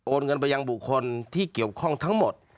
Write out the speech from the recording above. เงินไปยังบุคคลที่เกี่ยวข้องทั้งหมด